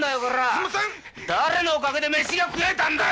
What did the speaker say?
すんません誰のおかげで飯が食えたんだよ